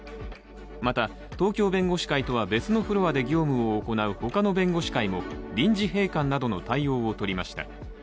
また東京弁護士会とは別のフロアで業務を行う他の弁護士会も臨時閉館などの対応をとりました。